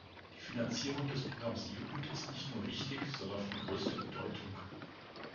Die Finanzierung des Programms "Jugend" ist nicht nur wichtig, sondern von größter Bedeutung.